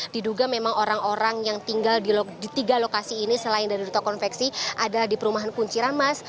diduga memang orang orang yang tinggal di tiga lokasi ini selain dari rute konveksi adalah di perumahan kunci ramas